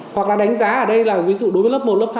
hoặc là đánh giá ở đây là ví dụ đối với lớp một lớp hai